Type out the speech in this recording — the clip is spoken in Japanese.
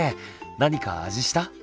何か味した？